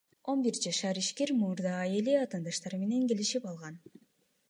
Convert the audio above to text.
Он бир жашар ишкер мурда эле атаандаштары менен келишип алган.